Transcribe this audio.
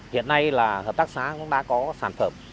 hiện nay là hợp tác xã cũng đã có sản phẩm